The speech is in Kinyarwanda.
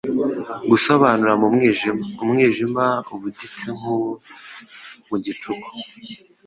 gusobanura mu mwijima, umwijima ubuditse nk'uwo mu gicuku